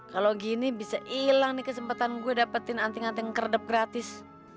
kalo gini bisa ilang nih kesempatan gue dapetin anting anting keredep gratis